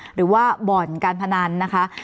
หรือว่าบ่อนการพนันนะคะ